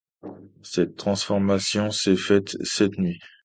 Cette transformation s’est faite cette nuit.